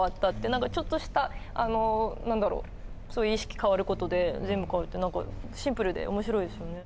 何かちょっとしたそういう意識変わる事で全部変わるって何かシンプルで面白いですよね。